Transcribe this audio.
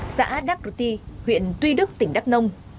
xã đắk ruti huyện tuy đức tỉnh đắk nông